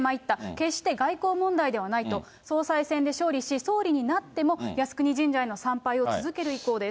決して外交問題ではないと、総裁選で勝利し、総理になっても靖国神社への参拝を続ける意向です。